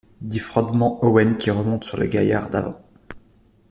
dit froidement Owen, qui remonte sur le gaillard d’avant.